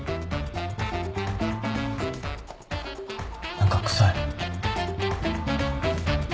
何か臭い。